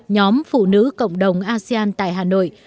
nhóm phụ nữ cộng đồng asean tại hà nội